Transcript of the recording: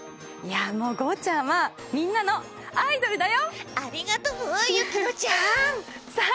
もう、ゴーちゃん。はみんなのアイドルだよ！